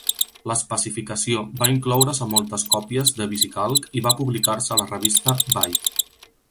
L'especificació va incloure's a moltes copies de VisiCalc i va publicar-se a la revista Byte.